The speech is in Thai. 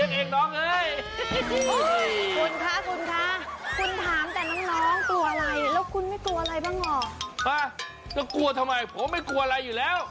กลัวทำไมผมไม่กลัวอะไรอยู่แล้ว